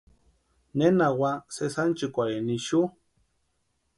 Ne úa sési ánchikwarhini ixu.